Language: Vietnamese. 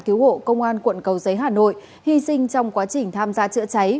cứu hộ công an quận cầu giấy hà nội hy sinh trong quá trình tham gia chữa cháy